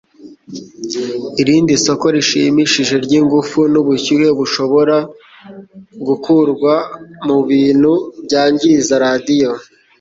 Irindi soko rishimishije ryingufu nubushyuhe bushobora gukurwa mubintu byangiza radio.